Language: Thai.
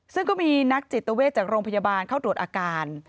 ซึ่งก็มีนักจิตเวทจากโรงพยาบาลเข้าตรวจอาการ